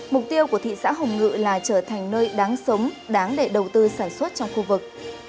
mục tiêu của thị xã hồng ngự là trở thành nơi đáng sống đáng để đầu tư sản xuất trong khu vực